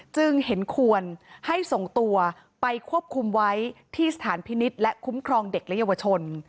จึงเห็นควรให้ส่งตัวไปควบคุมไว้ที่สถานพินิษฐ์และคุ้มครองเด็กและเยาวชน